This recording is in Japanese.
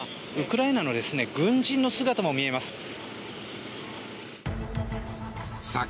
ウクライナの軍人の姿も見えます。